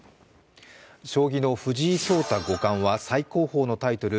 将棋の藤井聡太五冠は最高峰のタイトル